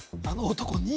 あの男